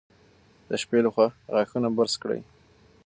د شپې لخوا غاښونه برس کړئ.